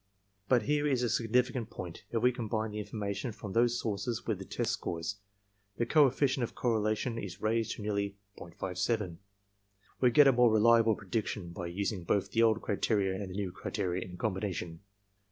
But here is a significant point. If we combine the information from those sources with the test scores, the coefficient of correlation is raised to nearly .57. We get a more reliable prediction by using both the old criteria and the new criteria in combination.